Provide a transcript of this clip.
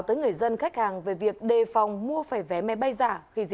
tới người dân khách hàng về việc đề phòng mua phải vé máy bay giả